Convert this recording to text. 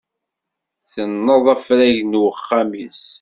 Tenneḍ afrag n uxxam-is.